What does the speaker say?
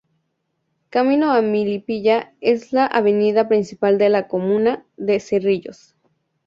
Camino a Melipilla es la avenida principal de la comuna de Cerrillos.